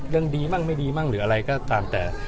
ดีมั่งไม่ดีมั่งหรืออะไรก็ตามแต่